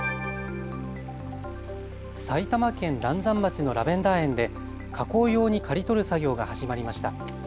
埼玉県嵐山町のラベンダー園で加工用に刈り取る作業が始まりました。